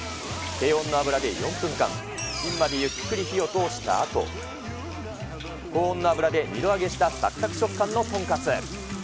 低温の油で４分間、しんまでゆっくり火を通したあと、高温の油で２度揚げした、さくさく食感の豚カツ。